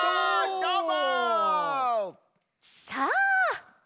どーも？